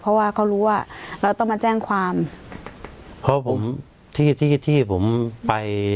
เพราะว่าเขารู้ว่าเราต้องมาแจ้งความเพราะผมที่ที่ที่ผมไป